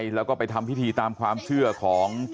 ชาวบ้านในพื้นที่บอกว่าปกติผู้ตายเขาก็อยู่กับสามีแล้วก็ลูกสองคนนะฮะ